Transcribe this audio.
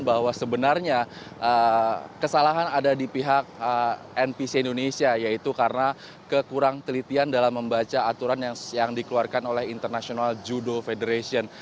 bahwa sebenarnya kesalahan ada di pihak npc indonesia yaitu karena kekurang telitian dalam membaca aturan yang dikeluarkan oleh international judo federation